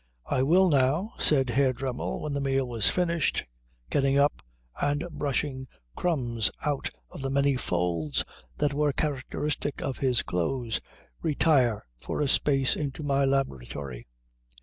"I will now," said Herr Dremmel when the meal was finished, getting up and brushing crumbs out of the many folds that were characteristic of his clothes, "retire for a space into my laboratory."